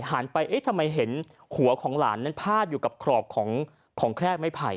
ไปเอ๊ะทำไมเห็นหัวของหลานนั้นพาดอยู่กับขอบของแคร่ไม้ไผ่